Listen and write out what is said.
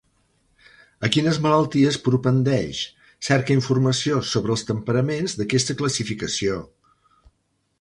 A quines malalties propendeix? Cerca informació sobre els temperaments d'aquesta classificació.